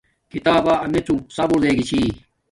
کتابا امیڎو صابور دے گی چھی